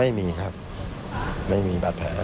ไม่มีครับไม่มีบาดแผล